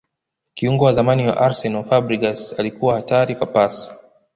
kiungo wa zamani wa arsenal fabregas alikuwa hatari kwa pasi